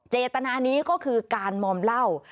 เจตนานี้ก็คือการมอมเหล้า